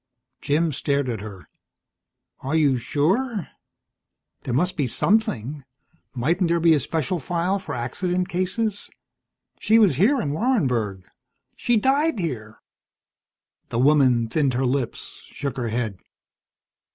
Jim stared at her. "Are you sure? There must be something. Mightn't there be a special file for accident cases? She was here in Warrenburg. She died here." The woman thinned her lips, shook her head.